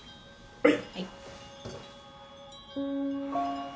はい。